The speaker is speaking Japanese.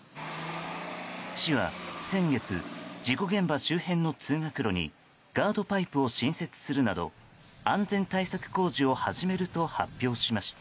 市は先月、事故現場周辺の通学路にガードパイプを新設するなど安全対策工事を始めると発表しました。